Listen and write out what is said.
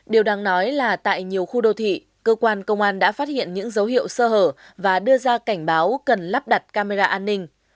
điều đáng nói là tại nhiều khu đô thị cơ quan công an đã phát hiện những dấu hiệu sơ hở và đưa ra cảnh báo cần lắp đặt camera an ninh